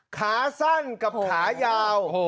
ขาสั้นกับขายาว